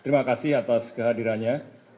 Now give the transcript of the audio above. terima kasih atas kehadirannya